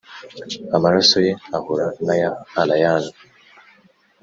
amaraso ye ahura naya allayne.